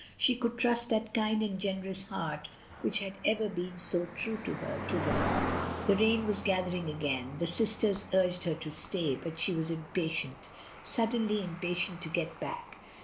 She could trust that kind and generous heart which had ever been so true to her, to them all. The rain was gathering again; the sisters urged her to stay, but she was impatient — suddenly impatient — to get baci.